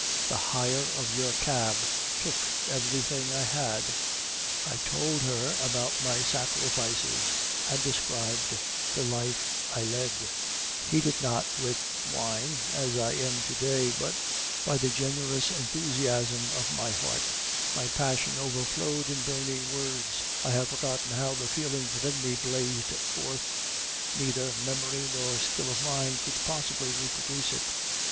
The hire of your cab took everything I had.' "I told her about my sacrifices, and described the life I led; heated not with wine, as I am to day, but by the generous enthusiasm of my heart, my passion overflowed in burning words; I have forgotten how the feelings within me blazed forth; neither memory nor skill of mine could possibly reproduce it.